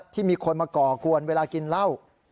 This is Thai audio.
ที่มีคนมาก่อกวนเวลากินเหล้า